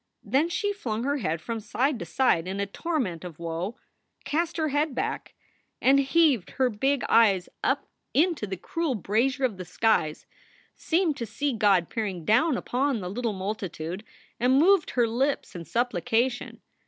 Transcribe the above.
Then she flung her head from side to side in a torment of woe, cast her head back, and heaved her bi^ SOULS FOR SALE 135 eyes up into the cruel brazier of the skies, seemed to see God peering down upon the little multitude, and moved her lips in supplication.